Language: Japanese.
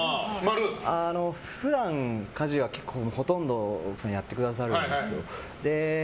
普段、家事はほとんど奥さんがやってくださるんですよ。